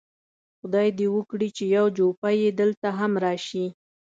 خدای دې وکړي چې یو جوپه یې دلته هم راشي.